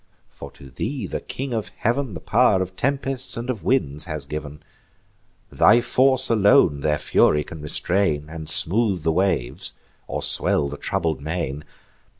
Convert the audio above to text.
for to thee the King of Heav'n The pow'r of tempests and of winds has giv'n; Thy force alone their fury can restrain, And smooth the waves, or swell the troubled main.